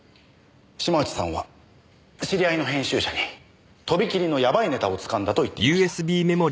島内さんは知り合いの編集者にとびきりのやばいネタをつかんだと言っていました。